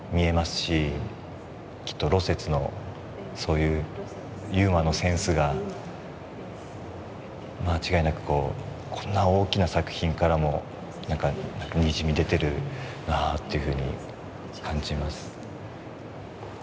きっと芦雪のそういうユーモアのセンスが間違いなくこんな大きな作品からもにじみ出てるなあって感じます。